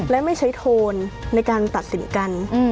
และไม่ใช้โทนในการตัดสินกัน